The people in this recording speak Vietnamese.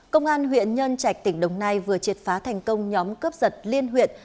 công an huyện nhân trạch tỉnh đồng nai vừa triệt phá thành công nhóm cướp giật liên huyện